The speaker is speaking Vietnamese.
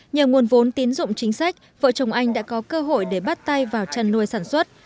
nhờ nguồn vốn tín dụng chính sách vợ chồng anh đã có cơ hội để bắt tay vào chăn nuôi sản xuất